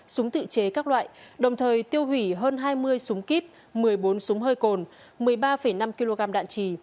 súng tự chế các loại đồng thời tiêu hủy hơn hai mươi súng kíp một mươi bốn súng hơi cồn một mươi ba năm kg đạn trì